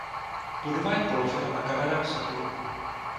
Budova je položena na kamenném soklu.